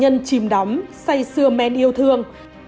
nạn nhân chìm đắm xây xưa men yêu thương